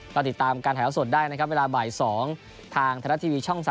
เราติดตามการถ่ายอัลโสดได้นะครับเวลาบ่าย๒ทางธนาทีวีช่อง๓๒